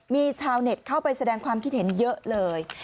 มีชาวเน็ตเข้าไปแสดงความคิดเห็นเยอะเลย